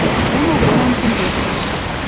Кым оголан конвертеш.